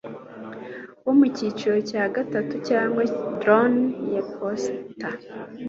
wo mucyiciro cya gatatu cyangwa drone ya posita